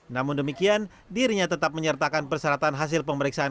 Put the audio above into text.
namun demikian dirinya tetap menyertakan persyaratan hasil pemeriksaan